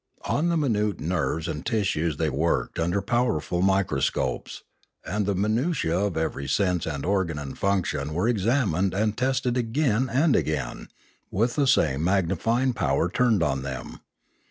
On the minute nerves and tissues they worked under powerful microscopes, and the minutiae of every sense and organ and function were examined and tested again and again with the same magnifying power turned on them.